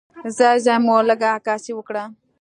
ځای ځای مو لږه عکاسي وکړه.